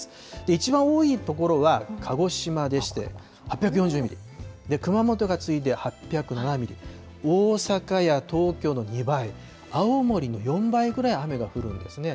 一番多い所は、鹿児島でして８４０ミリ、熊本が次いで８０７ミリ、大阪や東京の２倍、青森の４倍くらい雨が降るんですね。